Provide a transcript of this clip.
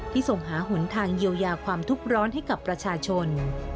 ส่งหาหนทางเยียวยาความทุกข์ร้อนให้กับประชาชน